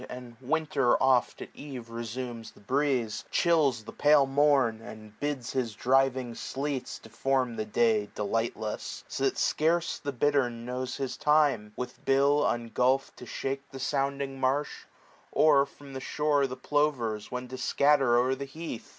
And Winter oft at eve resumes the breeze ; Chills tlie pale morn, and bids his driving sleets 20 Deform the' day delightless ; so that scarce The bittern knows his time, with bill ungulpht To Ihake the sounding marsh ; or from the shore The plovers when to scatter o'er the heath.